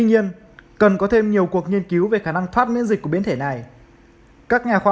nhiên cần có thêm nhiều cuộc nghiên cứu về khả năng thoát miễn dịch của biến thể này các nhà khoa